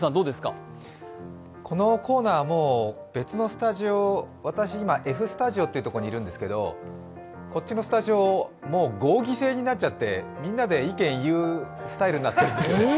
このコーナー、もう別のスタジオ、私は今、Ｆスタジオにいるんですけど、こっちのスタジオ、もう合議制になっちゃってみんなで意見言うスタイルになってるんです。